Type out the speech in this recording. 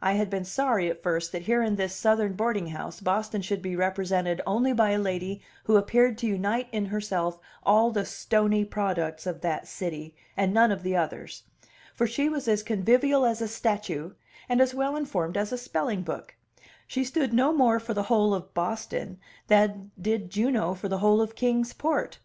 I had been sorry at first that here in this Southern boarding house Boston should be represented only by a lady who appeared to unite in herself all the stony products of that city, and none of the others; for she was as convivial as a statue and as well informed as a spelling book; she stood no more for the whole of Boston than did Juno for the whole of Kings Port.